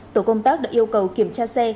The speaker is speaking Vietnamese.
tổ công tác đã yêu cầu kiểm tra xe